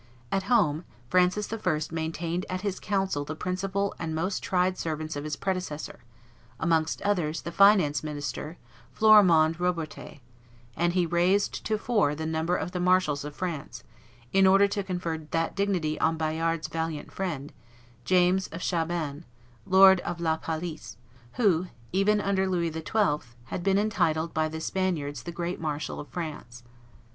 At home Francis I. maintained at his council the principal and most tried servants of his predecessor, amongst others the finance minister, Florimond Robertet; and he raised to four the number of the marshals of France, in order to confer that dignity on Bayard's valiant friend, James of Chabannes, Lord of La Palice, who even under Louis XII. had been entitled by the Spaniards "the great marshal of France."